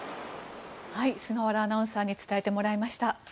菅原アナウンサーに伝えてもらいました。